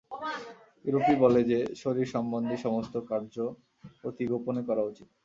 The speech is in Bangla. ইউরোপী বলে যে, শরীর-সম্বন্ধী সমস্ত কার্য অতি গোপনে করা উচিত।